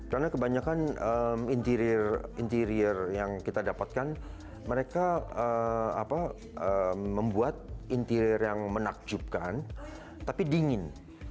karena kebanyakan interior interior yang kita dapatkan mereka membuat interior yang menakjubkan tapi dingin